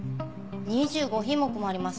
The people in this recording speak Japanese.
２５品目もあります。